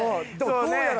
「そうね」